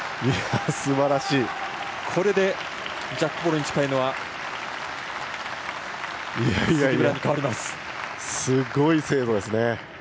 これでジャックボールに近いのはすごい精度ですね。